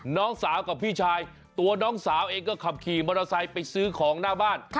น้องสาวกับพี่ชายตัวน้องสาวเองก็ขับขี่มอเตอร์ไซค์ไปซื้อของหน้าบ้าน